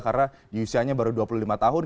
karena usianya baru dua puluh lima tahun